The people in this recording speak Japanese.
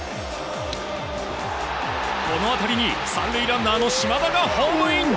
この当たりに３塁ランナーの島田がホームイン。